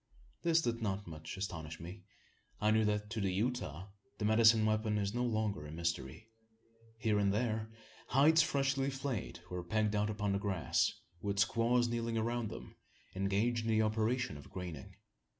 This did not much astonish me. I knew that, to the Utah, the medicine weapon is no longer a mystery. Here and there, hides freshly flayed were pegged out upon the grass, with squaws kneeling around them, engaged in the operation of graining.